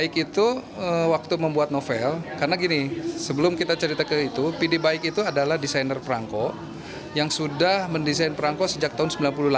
karena gini sebelum kita cerita ke itu p d baik itu adalah desainer perangko yang sudah mendesain perangko sejak tahun seribu sembilan ratus sembilan puluh delapan